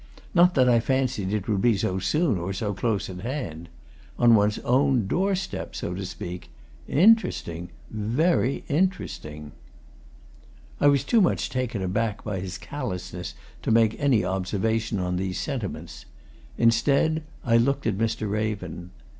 Not that I fancied it would be so soon, nor so close at hand. On one's own doorstep so to speak. Interesting! Very interesting!" I was too much taken aback by his callousness to make any observation on these sentiments; instead, I looked at Mr. Raven.